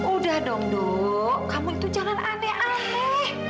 udah dong duk kamu itu jangan aneh aneh